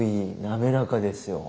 滑らかですよ。